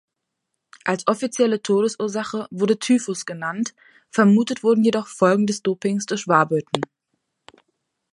Als offizielle Todesursache wurde Typhus genannt, vermutet wurden jedoch Folgen des Dopings durch Warburton.